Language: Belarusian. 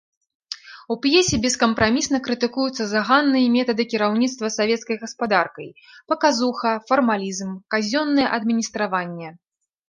У п'есе бескампрамісна крытыкуюцца заганныя метады кіраўніцтва савецкай гаспадаркай, паказуха, фармалізм, казённае адміністраванне.